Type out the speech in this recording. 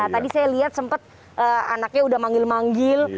tadi saya lihat sempat anaknya udah manggil manggil